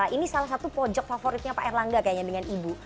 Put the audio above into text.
ini salah satu pojok favoritnya pak erlangga kayaknya dengan ibu